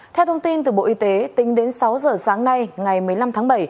theo thông tin từ bộ y tế tính đến sáu giờ sáng nay ngày một mươi năm tháng bảy